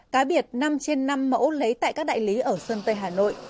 cá biệt năm trên năm mẫu lấy tại các đại lý ở sơn tây hà nội